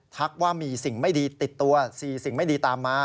ทักว่ามีสิ่งไม่ดีติดตัว๔สิ่งไม่ดีตามมา